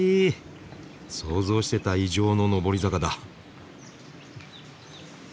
想像してた以上の上り坂だ。